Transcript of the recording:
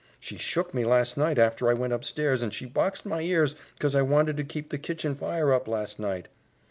She shook me last night after I went upstairs, and she boxed my ears 'cause I wanted to keep the kitchen fire up last night."